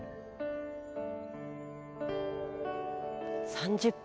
３０分。